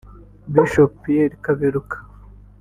Bishop Pierre Kaberuka